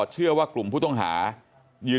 จังหวัดสุราชธานี